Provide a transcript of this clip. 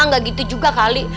gak gitu juga kali